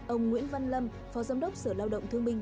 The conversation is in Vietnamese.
ông nguyễn văn lâm phó giám đốc sở lao động thương binh